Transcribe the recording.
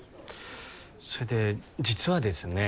それで実はですね